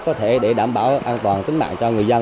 có thể để đảm bảo an toàn tính mạng cho người dân